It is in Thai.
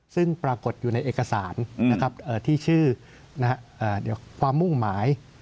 ซึ่งปรากฏอยู่ในเอกสารที่ชื่อความมุ่งหมาย